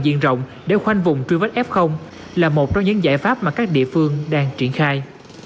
diện rộng để khoanh vùng truy vết f là một trong những giải pháp mà các địa phương đang triển khai